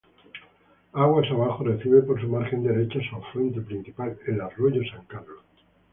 Aguas abajo recibe por su margen derecha su afluente principal: el arroyo San Carlos.